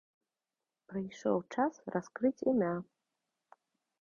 Прыйшоў час раскрыць імя.